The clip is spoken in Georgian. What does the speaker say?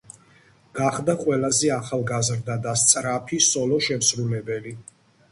გახდა ყველაზე ახალგაზრდა და სწრაფი სოლო შემსრულებელი.